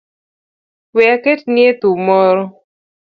We aketni e thum moro.